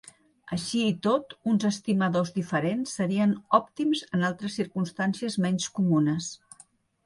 Així i tot, uns estimadors diferents serien òptims en altres circumstàncies menys comunes.